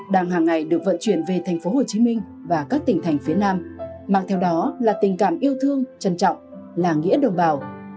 đàng hàng ngày được vận chuyển về thành phố hồ chí minh và các tỉnh thành phía nam mạng theo đó là tình cảm yêu thương trân trọng là nghĩa đồng bào